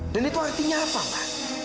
dan itu artinya apa ma